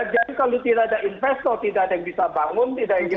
jadi kalau tidak ada investor tidak ada yang bisa bangun